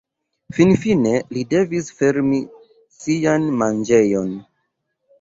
Finfine li devis fermi sian manĝejon.